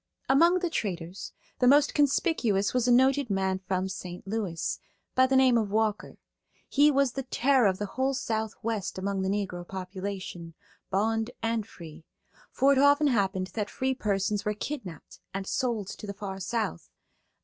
Among the traders the most conspicuous was a noted man from St. Louis, by the name of Walker. He was the terror of the whole Southwest among the Negro population, bond and free; for it often happened that free persons were kidnapped and sold to the far South.